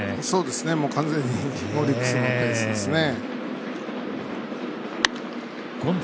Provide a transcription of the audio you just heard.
完全にオリックスのペースですね。